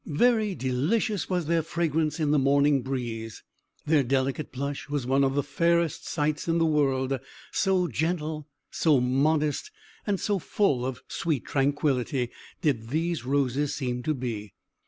Very delicious was their fragrance in the morning breeze. Their delicate blush was one of the fairest sights in the world; so gentle, so modest, and so full of sweet tranquillity, did these roses seem to be.